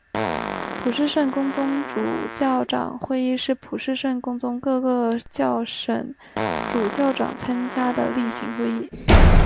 普世圣公宗主教长会议是普世圣公宗各个教省主教长参加的例行会议。